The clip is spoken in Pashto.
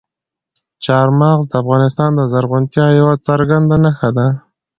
چار مغز د افغانستان د زرغونتیا یوه څرګنده نښه ده.